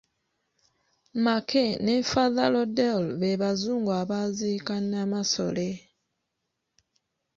Mackay ne Father Lourdel be Bazungu abaaziika Namasole.